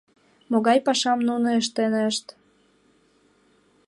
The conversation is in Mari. Могай пашам нуно ыштынешт?